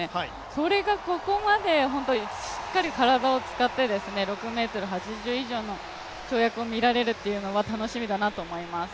それがここまで本当にしっかり体を使って６ｍ８０以上の跳躍を見られるというのは楽しみだなと思います。